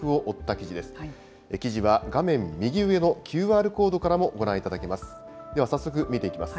記事は画面右上のＱＲコードからもご覧いただけます。